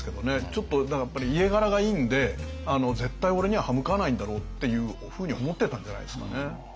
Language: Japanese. ちょっとだからやっぱり家柄がいいんで絶対俺には刃向かわないんだろうっていうふうに思ってたんじゃないですかね。